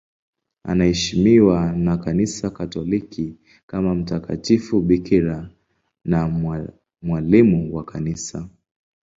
Anaheshimiwa na Kanisa Katoliki kama mtakatifu bikira na mwalimu wa Kanisa.